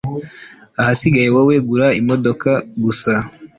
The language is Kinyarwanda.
Ahasigaye wowe gura imodoka gusa